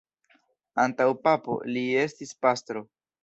Antaŭ papo, li estis pastro.